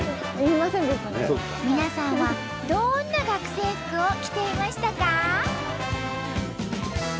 皆さんはどんな学生服を着ていましたか？